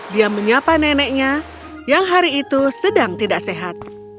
dia menyapa neneknya yang hari itu sedang tidak sehat